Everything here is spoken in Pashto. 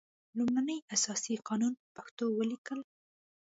لومړنی اساسي قانون په پښتو ولیکل.